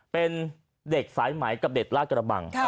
เป็นเด็กสายไหมกับเด็กลาดกระบัง